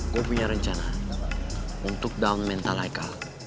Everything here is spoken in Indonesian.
gue punya rencana untuk down mental eka